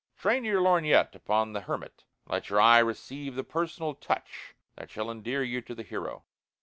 Train your lorgnette upon the hermit and let your eye receive the personal touch that shall endear you to the hero.